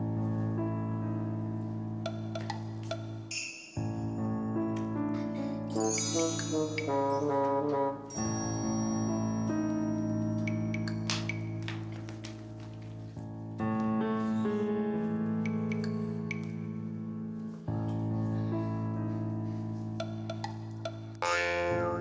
kamu bisa tidur anginnya ada luka aja nih